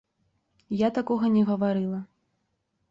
Я такога не гаварыла.